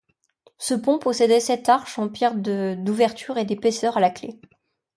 Ce pont possédait sept arches en pierre de d'ouverture et d'épaisseur à la clef.